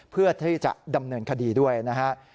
เพื่อที่จะดำเนินคดีด้วยนะฮะ